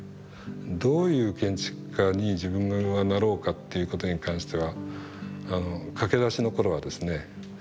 どういう建築家に自分はなろうかっていうことに関しては駆け出しの頃はですね。